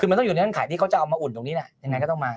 คือมันต้องอยู่ในเงื่อนที่เขาจะเอามาอุ่นตรงนี้แหละยังไงก็ต้องมา